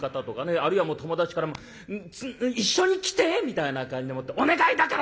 あるいは友達から「一緒に来て」みたいな感じでもって「お願いだから！」。